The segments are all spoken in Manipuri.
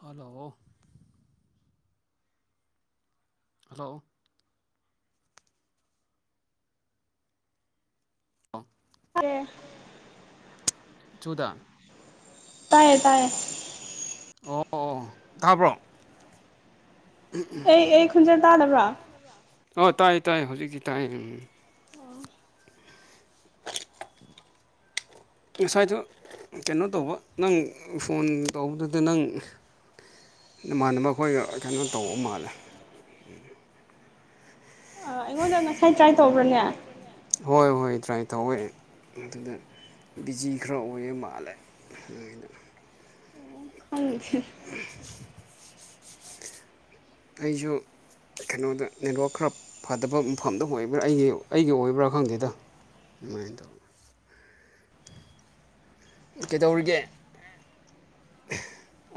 ꯍꯜꯂꯣ ꯍꯜꯂꯣ ꯖꯨꯗꯥ ꯇꯥꯏꯌꯦ ꯇꯥꯏꯌꯦ ꯑꯣ ꯇꯥꯕ꯭ꯔꯣ ꯑꯩ ꯑꯩ ꯈꯨꯟꯖꯦꯜ ꯇꯥꯗꯕ꯭ꯔꯥ ꯑꯣ ꯇꯥꯏ ꯇꯥꯏ ꯍꯧꯖꯤꯛꯇꯤ ꯇꯥꯏ [inaudible] ꯉꯁꯥꯏꯗꯨ ꯀꯩꯅꯣ ꯇꯧꯕ ꯅꯪ ꯐꯣꯟ ꯇꯧꯕꯗꯨꯗ ꯅꯪ ꯅꯃꯥꯟꯅꯕ ꯈꯣꯏꯒ ꯀꯩꯅꯣ ꯇꯧꯕ ꯃꯥꯜꯂꯦ ꯍꯣꯏ ꯍꯣꯏ ꯇ꯭ꯔꯥꯏ ꯇꯧꯋꯦ ꯑꯗꯨꯗ ꯕꯤꯖꯤ ꯈꯔ ꯑꯣꯏꯌꯦ ꯃꯥꯜꯂꯦ ꯑꯗꯨꯅ ꯈꯪꯗꯦ ꯑꯩꯖꯨ ꯀꯩꯅꯣꯗ ꯅꯦꯠꯋꯥꯛ ꯈꯔ ꯐꯗꯕ ꯃꯐꯝꯗ ꯑꯣꯏꯕ꯭ꯔꯥ ꯑꯩꯒꯤ ꯑꯩꯒꯤ ꯑꯣꯏꯕ꯭ꯔꯥ ꯈꯪꯗꯦꯗ ꯅꯣꯏꯗꯣ ꯀꯩꯗꯧꯔꯤꯒꯦ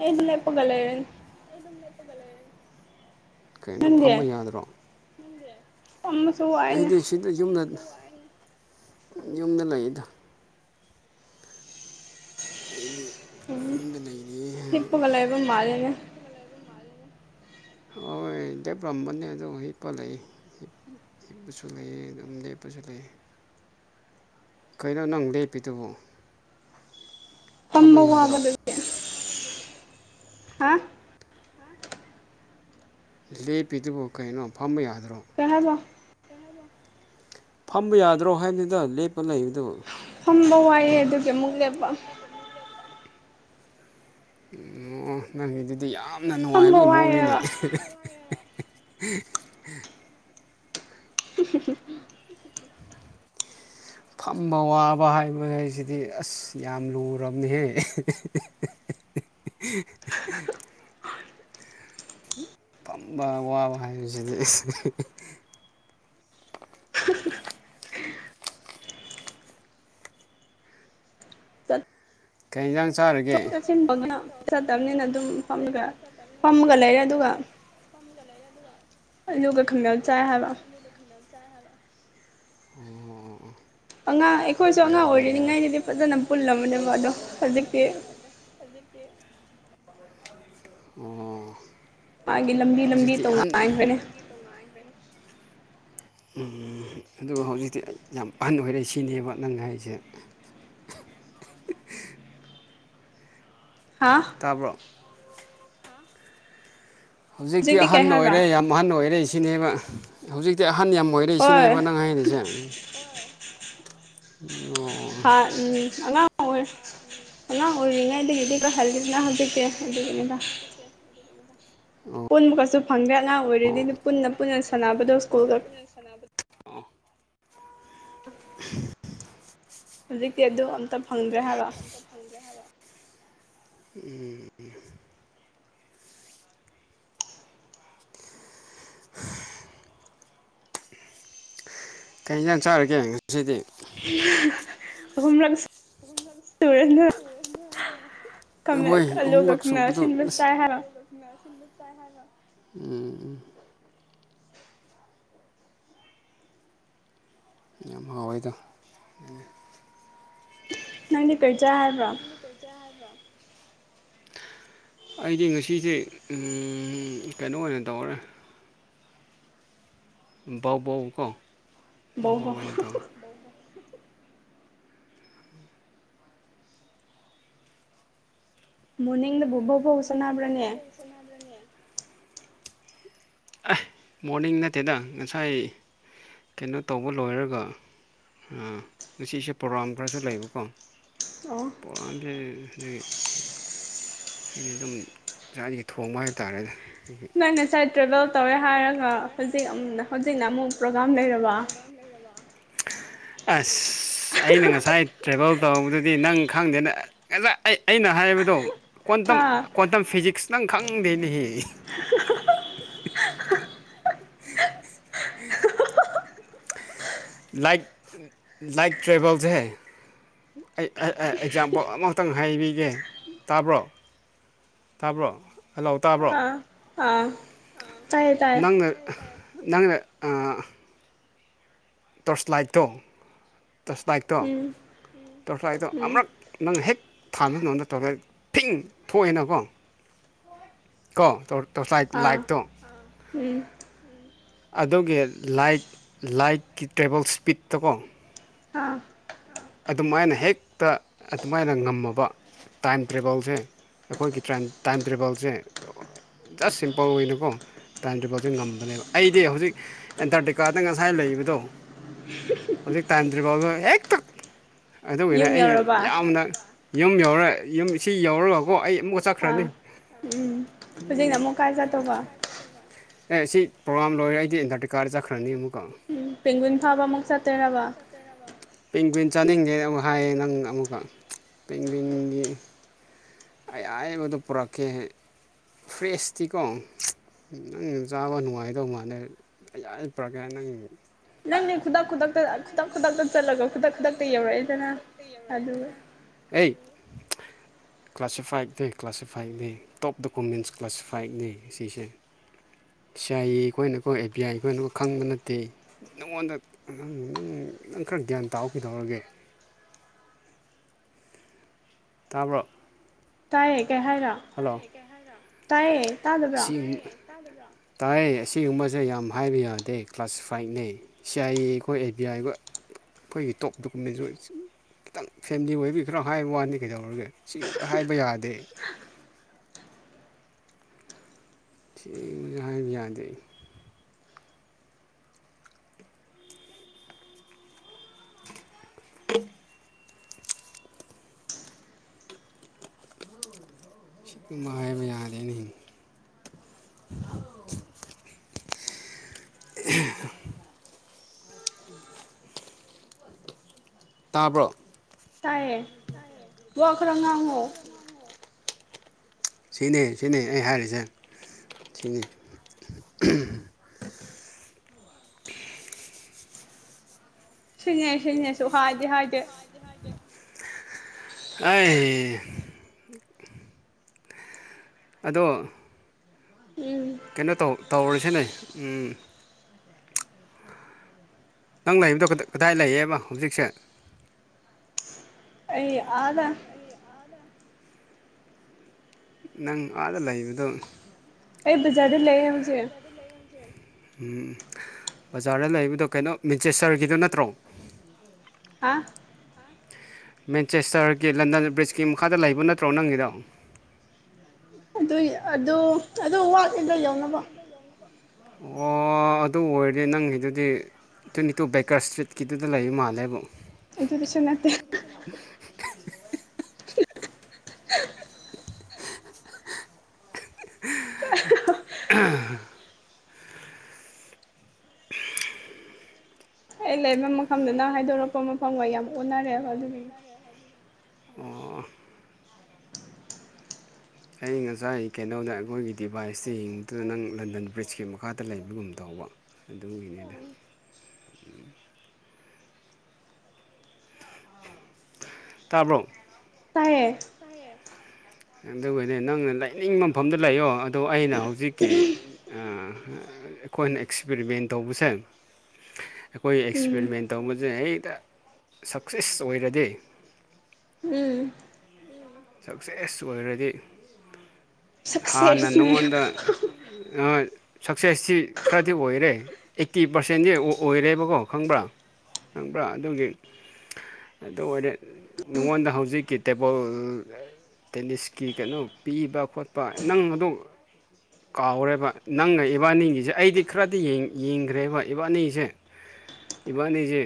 ꯏꯟ ꯂꯦꯞꯄꯒ ꯂꯩꯔꯦ ꯅꯪ ꯂꯦꯞꯄꯒ ꯂꯩꯔꯅꯤ ꯀꯩꯅꯣ ꯐꯝꯕ ꯌꯥꯗ꯭ꯔꯣ ꯅꯪꯗꯤ ꯑꯩꯗꯤ ꯁꯤꯗ ꯌꯨꯝꯗ ꯌꯨꯝꯗ ꯂꯩꯗ ꯑꯩꯗꯤ ꯎꯝ ꯍꯤꯞꯂꯒ ꯂꯩꯕ ꯃꯥꯜꯂꯦꯅꯦ ꯍꯣꯏ ꯂꯦꯞꯄꯝꯕꯅꯦ ꯑꯗꯣꯕꯨ ꯍꯤꯞꯄ ꯂꯩꯌꯦ ꯍꯤꯞꯄꯁꯨ ꯂꯩꯌꯦ ꯒꯝ ꯂꯦꯞꯄꯁꯨ ꯂꯩꯌꯦ ꯀꯩꯅꯣ ꯅꯪ ꯂꯦꯞꯄꯤꯗꯨꯕꯨ ꯐꯝꯕ ꯋꯥꯕꯗꯒꯤ ꯍꯥ ꯂꯦꯄꯤꯗꯨꯕꯨ ꯀꯩꯅꯣ ꯐꯝꯕ ꯌꯥꯗ꯭ꯔꯣ ꯐꯝꯕ ꯌꯥꯗ꯭ꯔꯣ ꯍꯥꯏꯕꯗꯨꯗ ꯂꯦꯞꯄ ꯂꯩꯕꯗꯨ ꯇꯨꯝꯕ ꯋꯥꯏꯑꯦ ꯑꯗꯨꯒꯤ ꯑꯃꯨꯛ ꯂꯦꯞꯄ ꯑꯣ ꯅꯪꯒꯤꯗꯨꯗꯤ ꯌꯥꯝꯅ ꯅꯨꯡꯉꯥꯏꯕꯒꯤ ꯃꯑꯣꯡꯅꯤꯅꯦ [unintelligible] [unintelligible] ꯐꯝꯕ ꯋꯥꯕ ꯍꯥꯏꯕ ꯍꯥꯏꯕꯁꯤꯗꯤ ꯑꯁ ꯌꯥꯝ ꯂꯨꯔꯕꯅꯤꯍꯦ [unintelligible] [unintelligible] ꯐꯝꯕ ꯋꯥꯕ ꯍꯥꯏꯕꯖꯤꯗꯤ ꯀꯩꯖꯥꯡ ꯊꯣꯛ ꯆꯥꯁꯤꯟꯗ ꯆꯠꯇꯕꯅꯤꯅ ꯑꯗꯨꯝ ꯐꯝꯃꯒ ꯐꯝꯃꯒ ꯂꯩꯔꯦ ꯑꯗꯨꯒ ꯐꯝꯃꯒ ꯂꯩ ꯑꯗꯨꯒ [inaudible] ꯑꯉꯥꯡ ꯑꯩꯈꯣꯏꯁꯨ ꯑꯉꯥꯡ ꯑꯣꯏꯔꯤꯅꯤꯉꯥꯏꯗꯗꯤ ꯐꯖꯅ ꯄꯨꯜꯂꯝꯕꯅꯦꯕ ꯑꯗꯣ ꯍꯧꯖꯤꯛꯇꯤ ꯑꯣ ꯃꯥꯒꯤ ꯂꯝꯕꯤ ꯂꯝꯕꯤ ꯇꯣꯉꯥꯟꯈ꯭ꯔꯦꯅꯦ [inaudible] ꯎꯝ ꯑꯗꯨꯒ ꯍꯧꯖꯤꯛꯇꯤ ꯌꯥꯝ ꯑꯍꯟ ꯑꯣꯏꯔꯦ ꯁꯤꯅꯦꯕ ꯅꯪ ꯍꯥꯏꯔꯤꯁꯦ [unintelligible] ꯇꯥꯕ꯭ꯔꯣ ꯍꯧꯖꯤꯛꯇꯤ ꯑꯍꯟ ꯑꯣꯏꯔꯦ ꯌꯥꯝ ꯑꯍꯟ ꯑꯣꯏꯔꯦ ꯁꯤꯅꯦꯕ ꯍꯧꯖꯤꯛꯇꯤ ꯑ ꯑꯍꯟ ꯌꯥꯝ ꯑꯣꯏꯔꯦ ꯁꯤꯅꯦꯕ ꯅꯪ ꯍꯥꯏꯔꯤꯁꯦ ꯍꯣꯏ ꯍꯥꯔꯠꯅꯤ ꯑꯉꯥꯡ ꯑꯉꯥꯡ ꯑꯣꯏ ꯑꯉꯥꯡ ꯑꯣꯏꯔꯤꯉꯩꯗꯒꯤꯗꯤꯀꯣ ꯍꯜꯂꯨꯗꯅ ꯍꯧꯖꯤꯛꯇꯤ ꯑꯗꯨꯒꯤꯅꯤꯗ ꯄꯨꯟꯕ ꯀꯁꯨ ꯐꯪꯗꯦ ꯑꯉꯥꯡ ꯑꯣꯏꯔꯤꯉꯩꯗꯤ ꯄꯨꯟꯅ ꯄꯨꯟꯅ ꯁꯥꯟꯅꯕꯗꯣ ꯁ꯭ꯀꯨꯜꯒ [inaudible] ꯍꯧꯖꯤꯛꯇꯤ ꯑꯗꯨ ꯑꯝꯇ ꯐꯪꯗ꯭ꯔꯦ ꯍꯥꯏꯕ ꯎꯝ ꯀꯩ ꯏꯟꯖꯥꯡ ꯆꯥꯔꯒꯦ ꯉꯁꯤꯗꯤ ꯑꯍꯨꯝꯂꯛ ꯁꯨꯔꯗ ꯀꯃꯦꯠ ꯑꯂꯨꯒ ꯈꯥꯃꯦꯟ ꯑꯁꯤꯟꯕ ꯆꯥꯏ ꯍꯥꯏꯔꯣ ꯎꯝ ꯎꯝ ꯌꯥꯝ ꯍꯥꯏꯋꯦꯗ ꯅꯪꯗꯤ ꯀꯩ ꯆꯥꯔꯕ꯭ꯔꯣ [inaudible] ꯑꯩꯗꯤ ꯉꯁꯤꯖꯦ ꯀꯩꯅꯣ ꯑꯣꯏꯅ ꯇꯧꯔꯦ ꯕꯧ ꯕꯧ ꯀꯣ ꯕꯥ ꯕꯧ ꯑꯣꯏꯅ ꯇꯧꯅꯤ [unintelligible] ꯃꯣꯔꯅꯤꯡꯗꯕꯨ ꯕꯥꯎ ꯕꯣꯥꯥꯎ ꯆꯥꯟꯅꯕ꯭ꯔꯅꯦ ꯑꯥꯏ ꯃꯣꯔꯅꯤꯡ ꯅꯠꯇꯦꯗ ꯉꯁꯥꯏ ꯀꯩꯅꯣ ꯇꯧꯕ ꯂꯣꯏꯔꯒ ꯑꯥ ꯉꯁꯤꯁꯦ ꯄ꯭ꯔꯣꯒꯥꯝ ꯈꯔꯁꯨ ꯂꯩꯕꯀꯣ ꯄꯣꯒꯥꯝꯁꯦ ꯗꯒꯤ ꯑꯩꯅ ꯗꯨꯝ ꯉꯆꯥꯒꯤ ꯊꯣꯡꯕ ꯍꯥꯏ ꯇꯥꯔꯦ ꯅꯪ ꯉꯁꯥꯏ ꯇ꯭ꯔꯦꯚꯦꯜ ꯇꯧꯔꯦ ꯍꯥꯏꯔꯒ ꯍꯧꯖꯤꯛ ꯍꯧꯖꯤꯛꯅ ꯑꯃꯨꯛ ꯄ꯭ꯔꯣꯒꯥꯝ ꯂꯩꯔꯕ ꯂꯩꯔꯕꯣ ꯑꯁ ꯑꯩꯅ ꯉꯁꯥꯏ ꯇ꯭ꯔꯦꯕꯦꯜ ꯇꯧꯕꯗꯨꯗꯤ ꯅꯪ ꯈꯪꯗꯦꯅ ꯉ ꯑꯩꯅ ꯍꯥꯏ ꯍꯥꯏꯕꯗꯣ ꯀꯣꯟꯇꯝ ꯀꯣꯟꯇꯝ ꯐꯤꯖꯤꯛꯁ ꯅꯪ ꯈꯪꯗꯦꯅꯦꯍꯦ [unintelligible] ꯂꯥꯏꯠ ꯂꯥꯏꯠ ꯇ꯭ꯔꯦꯕꯦꯜꯁꯦ ꯑꯩ ꯑꯦꯛꯖꯥꯝꯄꯜ ꯑꯃꯛꯇꯪ ꯍꯥꯏꯕꯤꯒꯦ ꯇꯥꯕ꯭ꯔꯣ ꯇꯥꯕ꯭ꯔꯣ ꯍꯜꯂꯥꯎ ꯇꯥꯕ꯭ꯔꯣ ꯅꯪꯅ ꯅꯪꯅ ꯑꯥ ꯇꯣꯔꯁꯂꯥꯏꯠꯇꯣ ꯇꯣꯔꯁꯂꯥꯏꯠꯇꯣ ꯇꯣꯔꯁꯂꯥꯏꯠꯇꯣ ꯑꯃꯔꯛ ꯅꯪꯅ ꯍꯦꯛ ꯊꯥꯟꯅꯕ ꯃꯇꯝꯗ ꯐꯤ ꯊꯣꯛꯑꯦꯅꯀꯣ ꯀꯣ ꯇꯣꯔꯁꯂꯥꯏꯇ ꯂꯥꯏꯇ ꯇꯣ ꯑꯗꯨꯒꯤ ꯂꯥꯏꯠ ꯂꯥꯏꯠꯀꯤ ꯇ꯭ꯔꯦꯕꯜ ꯏꯁꯄꯤꯠꯇ ꯀꯣ ꯑꯗꯨꯝꯃꯥꯏꯅ ꯍꯦꯛꯇ ꯑꯗꯨꯃꯥꯏꯅ ꯉꯝꯃꯕ ꯇꯥꯏꯝ ꯇ꯭ꯔꯦꯕꯜꯁꯦ ꯑꯈꯣꯏꯒꯤ ꯇꯥꯏꯝ ꯇꯔ꯭ꯦꯕꯦꯜꯁꯦ ꯖꯁ ꯁꯤꯝꯄꯜ ꯑꯣꯏ ꯅꯀꯣ ꯇꯥꯏꯝ ꯇꯔ꯭ꯦꯕꯜ ꯖꯦ ꯉꯝꯕꯅꯦꯕꯥ ꯑꯩꯗꯤ ꯍꯧꯖꯤꯛ ꯑꯦ꯭ꯟꯠꯇꯤꯀꯗ ꯉꯁꯥꯏ ꯂꯩꯕꯗꯣ ꯍꯧꯖꯤꯛ ꯇꯥꯏꯝ ꯇ꯭ꯔꯦꯕꯜ ꯗꯣ ꯍꯦꯛꯇꯥ ꯑꯗꯨꯒꯤꯅꯦ ꯑꯩ ꯌꯥꯝꯅ ꯌꯨꯝ ꯌꯧꯔ ꯌꯨꯝ ꯁꯤ ꯌꯧꯔꯒꯀꯣ ꯑꯩ ꯑꯥ ꯎꯝ ꯍꯧꯖꯤꯛꯅ ꯑꯃꯨꯛ ꯀꯥꯏ ꯆꯠꯇꯧꯕ ꯑꯦ ꯁꯤ ꯄ꯭ꯔꯣꯒꯥꯝ ꯂꯣꯏꯔꯦ ꯑꯩꯗꯤ ꯑꯦꯟꯇꯥꯔꯇꯤꯀꯥꯗ ꯆꯠꯈ꯭ꯔꯅꯤ ꯑꯃꯨꯛꯀ ꯄꯦꯡꯒꯨꯏꯟ ꯐꯥꯕ ꯑꯃꯨꯛ ꯆꯠꯇꯣꯏꯔꯕ ꯄꯦꯡꯒꯨꯏꯟ ꯆꯥꯅꯤꯡꯗꯦꯅ ꯑꯃꯨꯛ ꯍꯥꯏꯌꯦ ꯅꯪ ꯑꯃꯨꯛꯀ ꯄꯦꯡꯒꯨꯏꯟꯒꯤ ꯑꯩ ꯑꯕꯗꯣ ꯄꯨꯔꯛꯀꯦ ꯐꯔ꯭ꯤꯁꯇꯤꯀꯣ ꯅꯪ ꯆꯥꯕ ꯅꯨꯡꯉꯥꯏꯗꯧ ꯃꯥꯜꯂꯦ ꯑꯌꯥꯏꯕ ꯄꯔꯛꯀꯦ ꯅꯪ ꯅꯪꯅ ꯈꯨꯗꯛ ꯈꯨꯗꯛꯇꯥ ꯆꯠꯂꯒꯥ ꯈꯨꯗꯛ ꯈꯨꯗꯛꯇꯥ ꯌꯧꯔꯛ ꯏꯗꯅ ꯑꯩ [unintelligible] ꯀ꯭ꯂꯥꯁꯤꯐꯥꯏꯠꯅꯦ ꯀ꯭ꯂꯥꯁꯤꯐꯥꯏꯠꯅꯤ ꯇꯣꯞ ꯗꯣꯀꯨꯃꯦ꯭ꯟꯁ ꯀ꯭ꯂꯥꯁꯤꯐꯥꯏꯠꯅꯤ ꯁꯤꯁꯦ C I A ꯅꯈꯣꯏꯅꯀꯣ F B ꯑꯥꯏ ꯈꯣꯏꯅꯀꯣ ꯈꯪꯕ ꯅꯠꯇꯦ ꯅꯉꯣꯟꯗ ꯅꯪ ꯅꯪ ꯅꯪ ꯈꯔ ꯒ꯭ꯌꯥꯟ ꯇꯥꯎꯀꯩꯗꯧꯔꯒꯦ ꯇꯥꯕꯔꯣ ꯍꯜꯂꯣ ꯁꯤ ꯇꯥꯏꯌꯦ ꯑꯁꯤꯒꯨꯝꯕꯁꯦ ꯌꯥꯝ ꯍꯥꯏꯕ ꯌꯥꯗꯦ ꯀꯂꯥꯁꯁꯤꯐꯥꯏꯅꯦ ꯁꯤ ꯑꯥꯏ ꯑꯦ ꯑꯩꯈꯣꯏ ꯑꯦ ꯕꯤ ꯑꯣꯏ ꯈꯣꯏ ꯈꯣꯏꯒꯤ ꯇꯣꯛ ꯗꯣꯀꯨꯃ꯭ꯦꯟꯁꯖꯨ ꯈꯤꯇꯪ ꯐꯦꯃꯤꯂꯤ ꯑꯣꯏꯕ ꯈꯔ ꯍꯥꯏꯕ ꯋꯥꯅꯤ ꯀꯩꯗꯧꯔꯒ ꯁꯤ ꯍꯥꯏꯕ ꯌꯥꯗꯦ ꯁꯤ ꯍꯥꯏꯕ ꯌꯥꯗꯦ [unintelligible] ꯁꯤꯒꯨꯝꯕ ꯍꯥꯏꯕ ꯌꯥꯗꯦꯅꯦ [unintelligible] ꯇꯥꯕ꯭ꯔꯣ ꯇꯥꯏꯌꯦ ꯋꯥ ꯈꯔ ꯉꯥꯡꯉꯣ ꯁꯤꯅꯦ ꯁꯤꯅꯦ ꯑꯩ ꯍꯥꯏꯔꯤꯖꯦ [unintelligible] ꯁꯤꯅꯦ ꯁꯤꯅꯦꯁꯨ ꯍꯥꯏꯗꯤ ꯍꯥꯏꯗꯦ ꯑꯩ ꯑꯗꯣ ꯀꯩꯅꯣ ꯇꯧ ꯇꯧꯔ꯭ꯁꯤꯅꯦ ꯎꯝ ꯅꯪ ꯂꯩꯕꯗꯣ ꯀꯗꯥꯏ ꯂꯩꯌꯦꯕ ꯍꯧꯖꯤꯛꯁꯦ ꯑꯦ ꯑꯥꯗꯥ ꯅꯪ ꯑꯥꯗꯥ ꯂꯩꯕꯗꯣ ꯑꯩ ꯕꯖꯥꯔꯗ ꯂꯩ ꯍꯧꯖꯤꯛ ꯎꯝ ꯕꯖꯥꯔꯗ ꯂꯩꯕꯗꯣ ꯀꯩꯅꯣ ꯃꯦꯟꯆꯦꯁꯇꯔꯒꯤꯗꯣ ꯅꯠꯇ꯭ꯔꯣ ꯍꯥ ꯃꯦꯟꯆꯦꯁꯇꯔꯒꯤ ꯂꯟꯗꯟ ꯕ꯭ꯔꯤꯖꯀꯤ ꯃꯈꯥꯗ ꯂꯩꯕ ꯅꯠꯇ꯭ꯔꯣ ꯅꯪꯒꯤꯗꯣ ꯑꯗꯨꯏ ꯑꯗꯨ ꯑꯗꯨ ꯋꯥꯠꯂꯤꯗ ꯌꯧꯅꯕ ꯑꯣ ꯑꯗꯨ ꯑꯣꯏꯔꯗꯤ ꯅꯪꯒꯤꯗꯨꯗꯤ ꯇ꯭ꯋꯦꯟꯇꯤ ꯇꯨ ꯕꯦꯀ꯭ꯔꯁ ꯁꯇ꯭ꯔꯤꯠꯀꯤꯗꯨꯗ ꯂꯩꯔꯤ ꯃꯥꯜꯂꯦꯕꯣ ꯑꯗꯨꯗꯁꯨ ꯅꯠꯇꯦ [unintelligible] ꯑꯩ ꯂꯩꯕ ꯃꯐꯝꯗꯨ ꯅꯪ ꯍꯥꯏꯗꯣꯔꯛꯄ ꯃꯐꯝꯒ ꯌꯥꯝ ꯑꯣꯟꯅꯔꯦꯕ ꯑꯗꯨꯒꯤꯅꯤ ꯑꯣ ꯑꯩ ꯉꯁꯥꯏ ꯀꯩꯅꯣꯗ ꯑꯩꯈꯣꯏꯒꯤ ꯗꯤꯚꯥꯏꯁꯤ ꯌꯦꯡꯗꯨꯗ ꯅꯪ ꯂꯟꯗꯟ ꯕ꯭ꯔꯤꯖꯀꯤ ꯃꯈꯥꯗ ꯂꯩꯕꯒꯨꯝ ꯇꯧꯕ ꯑꯗꯨꯒꯤꯅꯦꯗ ꯇꯥꯕꯔꯣ ꯇꯥꯏꯌꯦ ꯑꯗꯨꯒꯅꯦ ꯅꯪꯅ ꯂꯩꯅꯤꯡꯕ ꯃꯐꯝꯗ ꯂꯩꯌꯣ ꯑꯗꯣ ꯑꯩꯅ ꯍꯧꯖꯤꯛꯀꯤ ꯑꯩꯈꯣꯏꯅ ꯑꯦꯛꯁꯄꯔꯤꯃꯦꯟ ꯇꯧꯕꯁꯦ ꯑꯩꯈꯣꯏ ꯑꯦꯛꯁꯄꯔꯤꯃꯦꯟ ꯇꯧꯕꯁꯦ ꯍꯦꯛꯇ ꯁꯛꯁꯦꯁ ꯑꯣꯏꯔꯗꯤ ꯎꯝ ꯁꯛꯁꯦꯁ ꯑꯣꯏꯔꯗꯤ ꯍꯥꯟꯅ ꯅꯪꯉꯣꯟꯗ ꯅꯪ ꯁꯛꯁꯦꯁꯁꯤ ꯈꯔꯗꯤ ꯑꯣꯏꯔꯦ ꯑꯩꯠꯇꯤ ꯄꯥꯔꯁꯦꯟꯗꯤ ꯑꯣꯏꯔꯦꯕꯀꯣ ꯈꯪꯕ꯭ꯔꯥ ꯈꯪꯕ꯭ꯔꯥ ꯑꯗꯨꯒꯤ ꯑꯗꯨ ꯑꯣꯏꯔꯦ ꯅꯉꯣꯟꯗ ꯍꯧꯖꯤꯛꯀꯤ ꯇꯦꯕꯜ ꯇꯦꯅꯤꯁꯀꯤ ꯀꯩꯅꯣ ꯄꯤꯕ ꯈꯣꯠꯄ ꯅꯪ ꯑꯗꯨ ꯀꯥꯎꯔꯦꯕ ꯅꯪꯅ ꯏꯕꯥꯅꯤꯒꯤꯖꯦ ꯑꯩꯗꯤ ꯈꯔꯗꯤ ꯌꯦꯡꯈ꯭ꯔꯦꯕ ꯏꯕꯥꯅꯤꯖꯦ ꯏꯕꯥꯅꯤꯖꯦ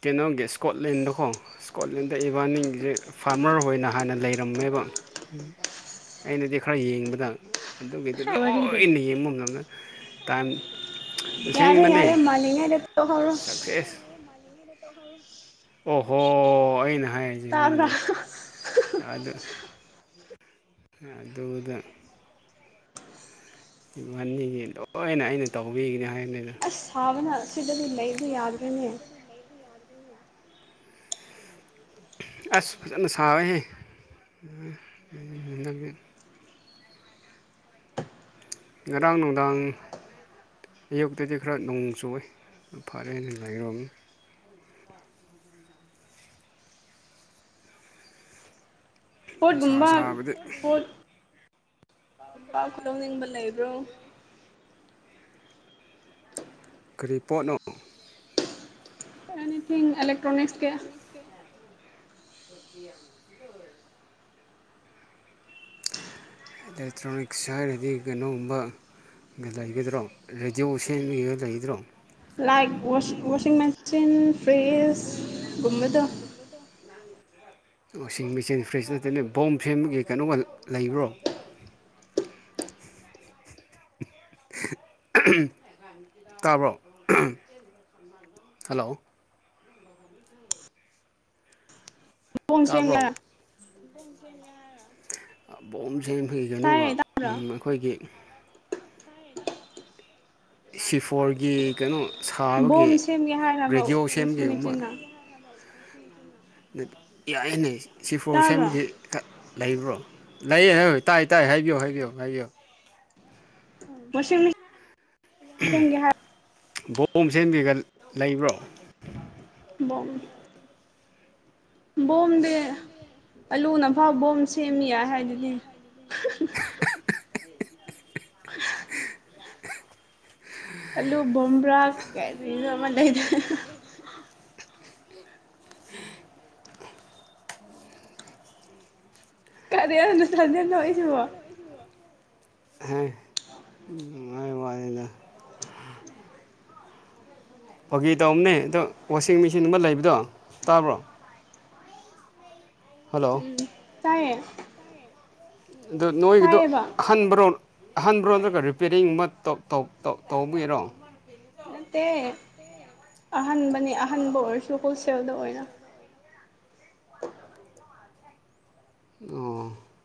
ꯀꯩꯅꯣꯒꯤ ꯁꯀꯣꯠꯂꯦꯟꯗꯀꯣ ꯁꯀꯣꯠꯂꯦꯟꯗ ꯏꯕꯥꯅꯤꯁꯦ ꯐꯥꯔꯃꯔ ꯑꯣꯏꯅ ꯍꯥꯟꯅ ꯂꯩꯔꯝꯃꯦꯕ ꯑꯩꯅꯗꯤ ꯈꯔ ꯌꯦꯡꯕꯗ ꯑꯗꯨꯒꯤꯗꯨ ꯂꯣꯏꯅ ꯌꯦꯡꯕ ꯉꯝꯂ ꯇꯥꯟ ꯌꯥꯔꯦ ꯌꯥꯔꯦ ꯃꯥꯟꯂꯤꯉꯩꯗ ꯇꯣꯛꯈꯧꯔꯣ ꯑꯣꯍꯣ ꯑꯩꯅ ꯍꯥꯏꯔꯤꯁꯦ ꯈꯪꯗꯦ ꯑꯗꯨ ꯑꯗꯨꯗ ꯏꯕꯥꯅꯤꯒꯤ ꯂꯣꯏꯅ ꯑꯩꯅ ꯇꯧꯕꯤꯒꯅꯤ ꯍꯥꯏꯕꯅꯤꯗ ꯑꯁ ꯁꯥꯕꯅ ꯁꯤꯗꯗꯤ ꯂꯩꯕ ꯌꯥꯗꯔꯦꯅꯦ ꯑꯁ ꯐꯖꯅ ꯁꯥꯎꯑꯍꯦ ꯉꯔꯥꯡ ꯅꯨꯡꯗꯥꯡ ꯑꯌꯨꯛꯇꯗꯤ ꯈꯔ ꯅꯣꯡ ꯆꯨꯏꯑꯦ ꯐꯔꯦꯅ ꯂꯩꯔꯨꯔꯅꯤ ꯄꯣꯠꯒꯨꯝꯕ ꯄꯥꯎ ꯈꯨꯂꯧꯅꯤꯡꯕ ꯂꯩꯕ꯭ꯔꯣ ꯀꯔꯤ ꯄꯣꯠꯅꯣ ꯑꯦꯅꯤꯊꯤꯡ ꯑꯦꯂꯦꯛꯇ꯭ꯔꯣꯅꯤꯛꯁꯀꯤ [unintelligible] ꯑꯦꯂꯦꯛꯇ꯭ꯔꯣꯅꯤꯛꯁ ꯍꯥꯏꯔꯗꯤ ꯀꯩꯅꯣꯒꯨꯝꯕ ꯂꯩꯒꯗ꯭ꯔꯣ ꯔꯦꯗꯤꯑꯣ ꯁꯦꯝꯃꯤꯒ ꯂꯩꯒꯗ꯭ꯔꯣ ꯂꯥꯏꯀ ꯋꯥꯁꯤꯡ ꯃꯦꯁꯤꯟ ꯐ꯭ꯔꯤꯖ ꯍꯨꯝꯃꯗꯣ ꯋꯥꯁꯤꯡ ꯃꯦꯆꯤꯟ ꯐ꯭ꯔꯤꯁ ꯅꯠꯇꯅ ꯕꯣꯝ ꯁꯦꯝꯕꯒꯤ ꯀꯩꯅꯣꯒ ꯂꯩꯕ꯭ꯔꯣ ꯇꯥꯕ꯭ꯔꯣ ꯍꯜꯂꯣ ꯕꯣꯝꯁꯦꯡꯒꯦ ꯕꯣꯝ ꯁꯦꯝꯈꯤꯒꯦ ꯑꯗꯨꯒ ꯑꯩꯈꯣꯏꯒꯤ ꯁꯤꯐꯣꯔꯒꯤ ꯀꯩꯅꯣ ꯁꯥꯕꯒꯤ ꯒ꯭ꯔꯦꯗꯤꯑꯣ ꯁꯦꯝꯈꯤꯒꯨꯝꯕ ꯌꯥꯏꯅꯦ ꯁꯤ ꯐꯣꯔ ꯁꯦꯝꯕꯒꯤ ꯂꯩꯕ꯭ꯔꯣ ꯂꯩꯌꯦ ꯍꯥꯏꯌꯣ ꯇꯥꯏ ꯇꯥꯏ ꯍꯥꯏꯕꯤꯌꯨ ꯍꯥꯏꯕꯤꯌꯨ ꯍꯥꯏꯕꯤꯌꯨ ꯋꯥꯁꯤꯡ ꯃꯦ ꯕꯣꯝ ꯁꯦꯝꯕꯤꯒ ꯂꯩꯕ꯭ꯔꯣ ꯕꯣꯝ ꯕꯣꯝꯗꯤ ꯑꯂꯨꯅꯐꯥꯎ ꯕꯣꯝ ꯕꯣꯝꯁꯦꯃꯤꯌꯦ ꯍꯥꯏꯗꯤꯅꯦ [unintelligible] [unintelligible] ꯑꯜꯂꯨ ꯕꯣꯝꯕ꯭ꯔꯥ ꯀꯩꯔꯤꯅꯣ ꯑꯃꯂꯩꯗꯥꯏ [unintelligible] ꯀꯔꯤꯅꯣ ꯅꯊꯟꯇ ꯅꯣꯛꯏꯁꯤꯕꯣ ꯍꯩ ꯅꯨꯡꯉꯥꯏ ꯋꯥꯅꯤꯗ ꯐꯒꯤ ꯇꯧꯝꯅꯦ ꯑꯗꯣ ꯋꯥꯁꯤꯡ ꯃꯦꯆꯤꯟ ꯑꯃ ꯂꯩꯕꯗꯣ ꯇꯥꯕ꯭ꯔꯣ ꯍꯜꯂꯣ ꯇꯥꯏꯌꯦ ꯑꯗꯣ ꯅꯣꯏꯒꯤꯗꯣ ꯑꯍꯟꯕꯔꯣ ꯑꯍꯟꯕ꯭ꯔꯣ ꯅꯠꯇ꯭ꯔꯒ ꯔꯤꯄꯦꯔꯤꯡ ꯃꯠ ꯇꯧ ꯇꯧ ꯇꯧꯕꯒꯤꯔꯣ ꯅꯠꯇꯦ ꯑꯍꯟꯕꯅꯦ ꯑꯍꯟꯕ ꯑꯣꯏꯔꯁꯨ ꯍꯣꯜꯁꯦꯜꯗ ꯑꯣꯏꯅ ꯑꯣ